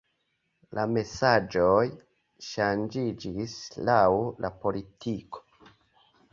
La mesaĝoj ŝanĝiĝis laŭ la politiko.